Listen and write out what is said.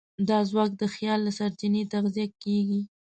دا ځواک د خیال له سرچینې تغذیه کېږي.